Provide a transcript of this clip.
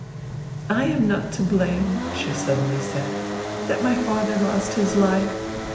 "I am not to blame," she suddenly said, "that my father lost his life.